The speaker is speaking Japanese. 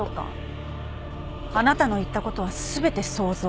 あなたの言ったことは全て想像。